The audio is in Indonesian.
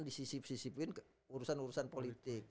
disisip sisipin ke urusan urusan politik